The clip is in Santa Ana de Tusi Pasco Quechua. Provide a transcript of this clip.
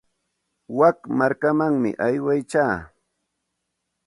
Wik markamanmi aywaykaa.